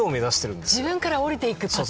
自分から下りていくパターン。